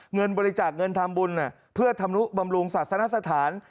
เงินบริจาคเงินทำบุญเพื่อธรรมนุบำรุงศาสนสถาน